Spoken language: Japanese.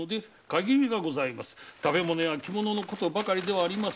「食べ物や着物のことばかりではありません」